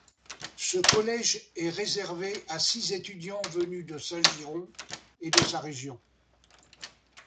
Ce collège est réservé à six étudiants venus de Saint-Girons et de sa région.